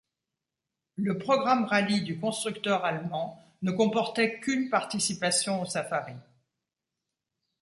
Le programme rallye du constructeur allemand ne comportait qu'une participation au Safari.